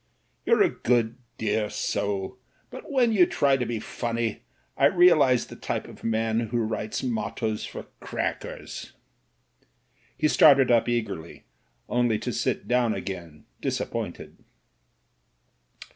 You're a dear, good soul, but when you try to be funny, I realise the type of man who writes mottoes for crack ers." He started up eagerly, only to sit down again disappointed.